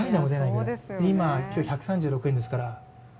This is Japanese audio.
で今日、今、１３６円ですから。